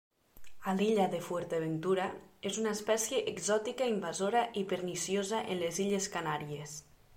A l'illa de Fuerteventura és una espècie exòtica invasora i perniciosa en les Illes Canàries.